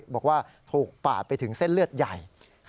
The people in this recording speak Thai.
บอกว่าถูกปาดไปถึงเส้นเลือดใหญ่